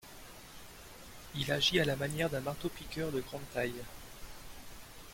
Il agit à la manière d'un marteau-piqueur de grande taille.